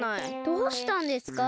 どうしたんですか？